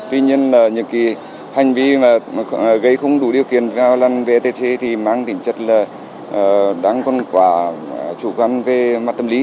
tuy nhiên là những cái hành vi mà gây không đủ điều kiện vào lần vetc thì mang tính chất là đáng con quả chủ quan về mặt tâm lý